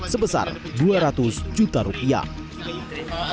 sebesar dua ratus juta rupiah